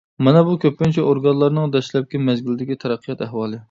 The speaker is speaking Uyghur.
مانا بۇ كۆپىنچە ئورگانلارنىڭ دەسلەپكى مەزگىلدىكى تەرەققىيات ئەھۋالى.